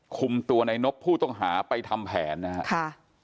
คุมตัวในนบผู้ต้องหาไปทำแผนนะครับ